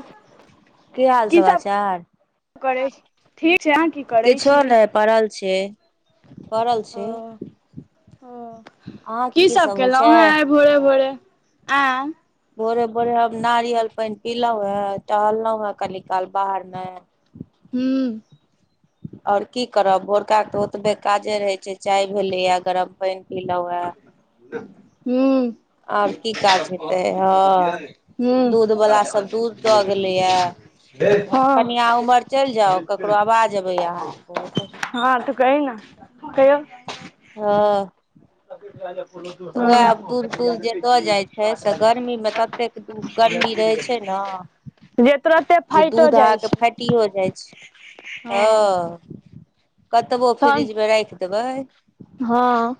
ओ की हाल समाचार करै छी ठीक छै अहाँ की करै छी किछो नहि पड़ल छी परल ओ छी ओ अहाँके की सब होइ छै केलहुँ हेँ आइ भोरे भोरे आँई भोरे भोरे हम नारियल पानि पिलहुं हे टहललौं हें कनि काल बाहर मे हूं आओर की करब भोरका तऽ ओतबे काजे रहे छै चाय भेलेए गरम पनि पीलौं हे हूं हूं आओर की काज हेतै हँ दूध वला सब दूध दऽ गेलैया कनि अहाँ उम्हर चलि जाउ ककरो आवाज अबैया हँ अहाँके बहुत हँ त कहि ने कहियौ हँ त [unintelligible] तऽ उएह दूध तूध जे दऽ जाइ छै से गर्मी मे ततेक दू गर्मी रहै छय नऽ जे तुरते जे फाइटो दूध जाइ आहाॅंके छै फाटियो जाइ छय हँ कतबो तहन फ्रिज मे राखि देबै हँ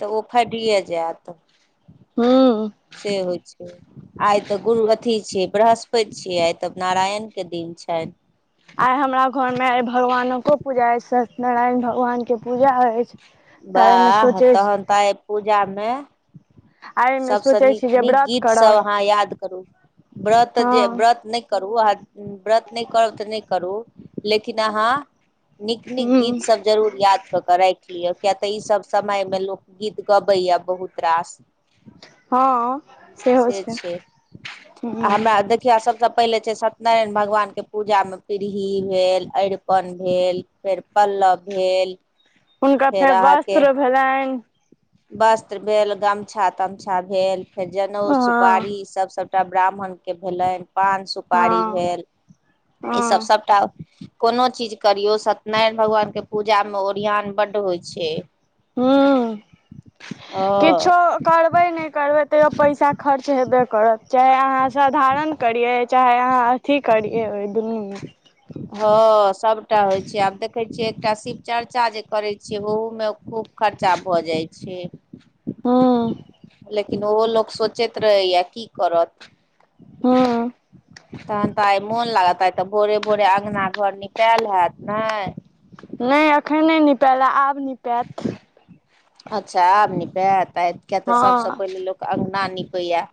तऽ ओ फाइटिये जायत हूॅंऽ से होइ छै आइ तऽ गुरु अथी छियै बृहस्पति छियै आइ तऽ नारायण के दिन छनि आइ हमरा घर मे आइ भगवानो कऽ पूजा अइ सत्यनारायण भगवान के पूजा अछि तऽ एहिमे बाह सोचै तहन तऽ आय पूजा मे एहिमे सभसँ सोचै नीक छी जे नीक व्रत गीत करब सब अहाँ याद करू व्रत जे हँ व्रत नय करू आ व्रत नय करब तऽ नय करू लेकिन अहाँ नीक नीक ह गीत सब जरूर याद कऽ कऽ राखि लिअ किया तऽ ईसभ समय मे लोक गीत गबैया बहुत रास हँ से होय छै हुं किया सभ सँ पहिले छै सत्यनारायण भगवान के पूजा मे पीरही भेल अरि पन भेल फेर पल्लव भेल हुनका फेर अहाँके वस्त्र भेलनि वस्त्र भेल गमछा- तमछा भेल फेर जनउ हँ सुपारी ई सब सबटा ब्राह्मण के भेलनि पान सुप सुपारी हँ भेल ई सब हँ सभटा कोनो चीज करियौ सत्यनारायण भगवान के पूजा मे ओरिआन बड होइ छैय हूं किछो हँ करबै नय करबै तैयो पैसा खर्च हेबे करत चाहे अहाँ साधारण करियै चाहे अहाँ अथी करिय ओय [unintelligible] हँ सभटा होइत छैय आब देखैत छियै एकटा शिवचर्चा जे करैत छियै ओहूमे खूब खर्चा भऽ जाइ छैय हाँ लेकिन ओहो लोक सोचैत रहैया की करत हुॅं तहन तऽ आइ मोन लागत आइ तऽ भोरे -भोरे अंगना घर निपायल हयत ने नय अखन नय निपायल आब निपायत अच्छा आब नीपायत आ किया तऽ सबसँ हँ पहिले लोक अगना नीपैया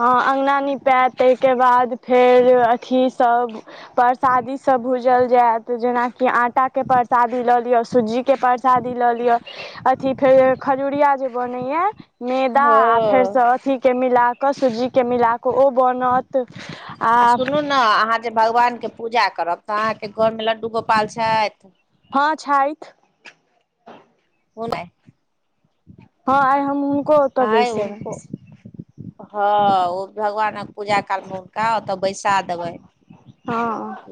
हँ अगना निपायएत ताहिके बाद फेर अथी सभ परसादी सब भूजल जायत जेनाकि आटा के परसादी लऽ लिय सुज्जी के परसाद शादी लऽ लिअ अथी फेर खजूरिया जे बनेया मैदा आ फेरसँ हँ अथीके मिला कऽ सुजी के मिला कऽ ओ बनत तऽ आ सुनू ने अहाँ जे भगवान के पूजा करब तऽ अहाँके घर मे लड्डू गोपाल छथि हँ छथि [unintelligible] हँ आइ हम हुनको ओतऽ आय बैसेबैन हुनको हँ ओ भगवानक पूजा काल मे हुनका ओतऽ बैसा देबैन हँ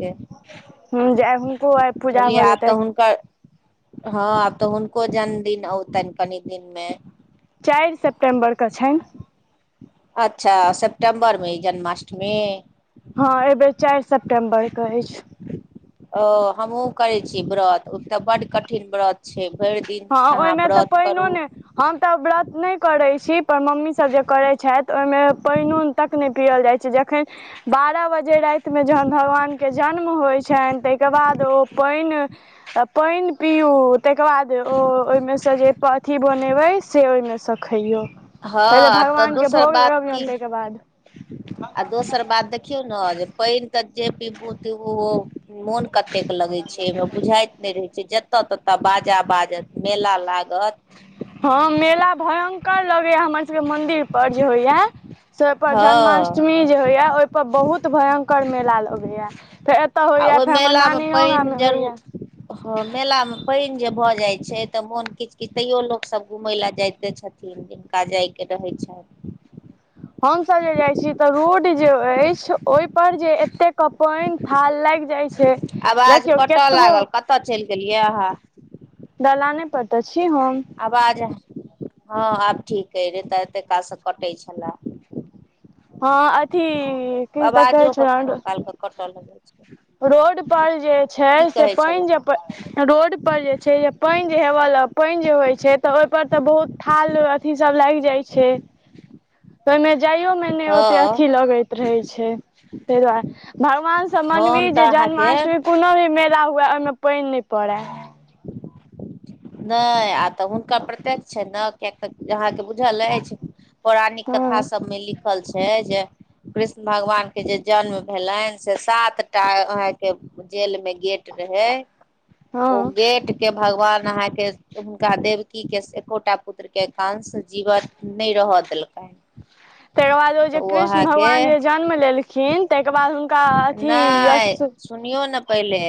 के ह जे हुनको आय पूजा बुझलियै भऽ आब तऽ जेतनि हुनकर हँ आब तऽ हुनको जन्मदिन औतनि कनि दिन मे चारि सेप्टेम्बर के छनि अच्छा सेप्टेम्बर मे ई जन्माष्टमी हँ एहिबेर चारि सेप्टेम्बर कऽ अछि ओ हमहुँ करे छिये व्रत ओ तऽ बड्ड कठिन व्रत छैय भरि दिन हँ अहाँ ओहिमे तऽ व्रत पायनो करू ने हम तऽ व्रत नय करैत छी पर मम्मी सभ जे करैत छैथ ओहिमे पायनो तक नय पियल जाइ छैय जखन बारह बजे राति मे जखन भगवान के जन्म होइ छनि ताहिके बाद ओ पानि पाइन पिउ तैक बाद जे ओ ओहिमे सँ जे अथी बनेबै से ओहिमे सँ खइयौ पहिले हँ तऽ भगवानके दोसर भोग बात की लगबियौन ताहिके बाद आ दोसर बात देख किउ न आ पैन त जेे पीब पी मोन कतेक लगे छै एहि मे बुझाइत नय रहे छै ज जत ततऽ बाजा बाजत मेला लागत हँ मेला भयंकर लगेया हमर सबके मंदिर पर जे होइया से ओहिप पर हँ जन्माष्टमी जे होया ओहिपर बहुत भयंकर मेला लगेया फेर तऽ आ होइया ओहि फेर हमर मेलामे नानी गाँ पानि मे जरूर होइया हँ मेला मे पानि जे भऽ जाइ छै तऽ मोन किछ किछ तैयो लोकसभ घुमय लऽ जायते छथिन हुनका जइके रहै छैन हमसब जे जाइ छी तऽ रोड जे अछि ओई पर जे एते क पानि थाल लागि जाय छै देखियौ केतबो केलियाहा दलाने पर तऽ छी हम आवाज हँ आब ठीक अई रैत तऽ एते काल सँ कटै छलए हँ अथी की दैन तऽ कहै आवाजो कखनो छलुहँ काल के कटऽ लगै छै रोड पर जे छै की से कहै पानि छलहुँ जे रोड पर जे छै जे पानि जे हेव ल पानि जे होइ छै तऽ ओहि पर तऽ बहुत थाल अथी सब लागि जाइ छै तै मे जाइयो मे नै ओते हँ अथी लगैत रहै छै ताहि दुआ भगवानसँ हम मनबी जे तऽ अहाँके जन्माष्टमी कोनो भी मेला हुए ओईमे पानि नै पड़ए नै आ तऽ हुनका प्रत्यक्ष छैनक कियाक तऽ अहाँके बुझल अछि पौराणिक कथा हँ सबमे लिखल छै जे कृष्ण भगवान के जे जन्म भेलनि से सातटा आहाँ के जेल मे गेट रहे ओ हँ गेट के भगवान अहाँके तऽ हुनका देवकीके एकोटा पुत्रके कांश जीव नै रहय देलकनि [inaudible] तायके बाद ओ तऽ जे कृष्ण अहाँके भगवान जे जन्म लेलखिन ताईके बाद हुनका अथी अश नहि सुनियौ न पहिले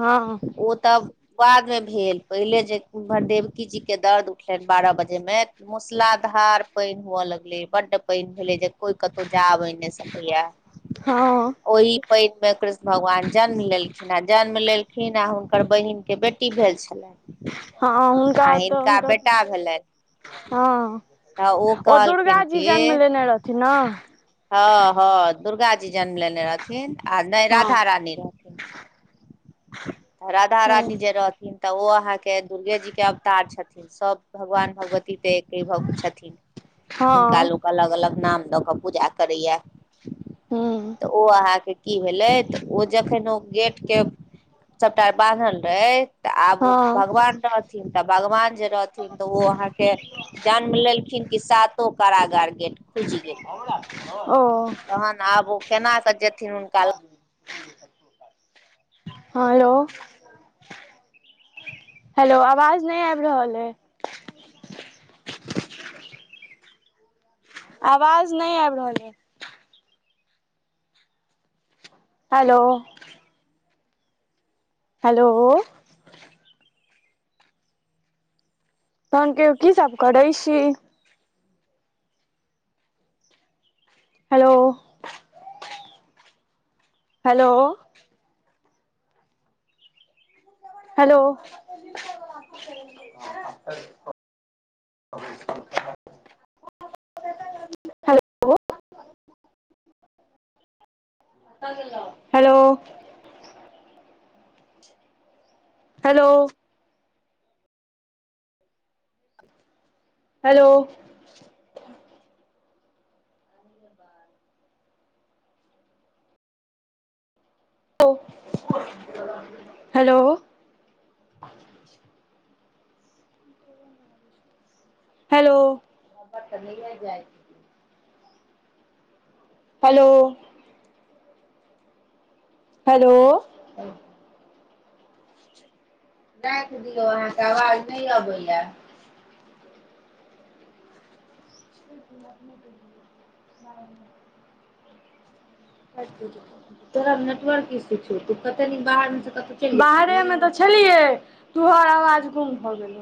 हँ ओ तब बाद मे भेल पहिले जे उम्हर डेवकी जीके दर्द उठलनि बारह बजेमे मूसलाधार पानि हुए लगलै बड्ड पानि भेलै जे कोई कतौ जा अबै ने सक भैया हँ ओहि पैन मे कृष्ण भगवान जन्म लेलखिन आ जन्म लेलखिन आ हुनकर बहिन के बेटी भेल छलैन हँ हूनका तऽ हूनका बेटा भेलनि हँ तऽ ओ दुर्गा कहलखिन जी कि जन्म लेने रहथिन न हँ हँ दुर्गा जी जन्म लेने रहथिन आ नै हँ राधा रानी रह तऽ राधा रानी जे रहथिन तऽ ओ अहाँके दुर्गे जी के अवतार छथिन सब भगवान भगवती टेक के भक छथिन हुनका हँ लोक अलग अलग नाम दऽ कऽ पूजा करैएा हूँ तऽ ओ अहाँके की भेलै तऽ ओ जखन ओ गेट के सबटा बान्हल रहै तऽ आब ओ हँ भगवान रहथिन तऽ भगवान जे रहथिन तऽ ओ अहााँ के जन्म लेलखिन कि सातो कारोगार गेट खुजि गेलै ओ तहन आब ओ केना कऽ जेथिन हुनका हँ हेलो हेलो आवाज नै आबि रहल अई आवाज नै आबि रहल यै हेलो हेलो तहन कहीयौ की सब करै छी हेलो हेलो। हेलो। ओ। Hello hello. Hello. Hello. Hello. Hello. Hello. राखि दियौ अहाँकेँ आवाज नहि अबैय। अपने हेलो तोरा नेटवर्क सँ तऽ कते बाहर बाहरे मे तऽ छलियै। तूहर आवज गुम हो गेल।